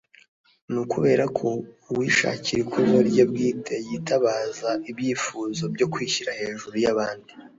ni ukubera ko uwishakira ikuzo rye bwite yitabaza ibyifuzo byo kwishyira hejuru y’abandi